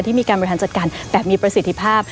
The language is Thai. มีการบริหารจัดการแบบมีประสิทธิภาพ